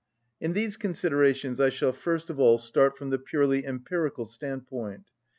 In these considerations I shall first of all start from the purely empirical standpoint.